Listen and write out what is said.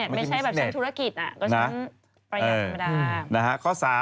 ไม่ใช่บิสเน็ตไม่ใช่แบบชั้นธุรกิจอ่ะก็ชั้นประหยัดธรรมดา